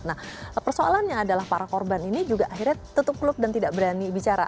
nah persoalannya adalah para korban ini juga akhirnya tutup klub dan tidak berani bicara